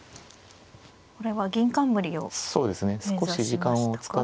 これは銀冠を目指しましたか。